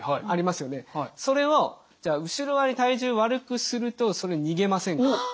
それを後ろ側に体重悪くするとそれ逃げませんか？